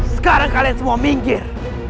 sekarang kalian semua minggir